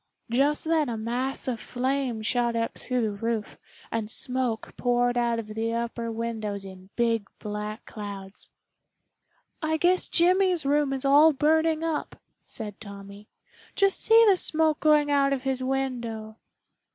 Just then a mass of flame shot up through the roof, and smoke poured out of the upper windows in big black clouds. "I guess Jimmy's room is all burning up," said Tommy. "Just see the smoke going out of his window."